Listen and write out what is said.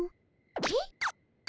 えっ？